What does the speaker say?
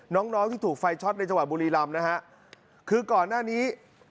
น้องน้องที่ถูกไฟช็อตในจังหวัดบุรีรำนะฮะคือก่อนหน้านี้